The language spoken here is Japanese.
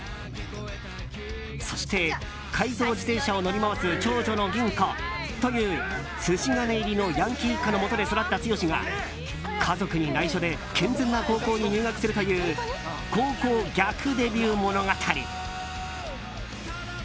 そして、改造自転車を乗り回す長女の吟子という筋金入りのヤンキー一家のもとで育った剛が家族に内緒で健全な高校に入学するという高校逆デビュー物語。